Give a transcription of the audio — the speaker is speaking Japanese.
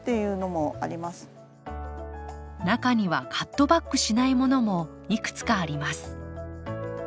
中にはカットバックしないものもいくつかあります。